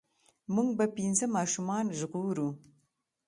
مونږ به پنځه ماشومان ژغورو.